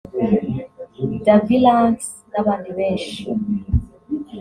Davy Ranks n’abandi benshi